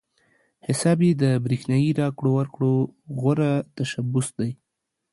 حساب پې د برېښنايي راکړو ورکړو غوره تشبث دی.